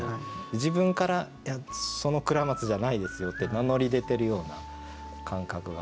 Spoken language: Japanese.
自分から「いやその倉松じゃないですよ」って名乗り出てるような感覚があって。